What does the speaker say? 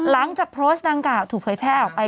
แล้วมีโพสต์ดังเก่าถูเผยแพร่ออกไป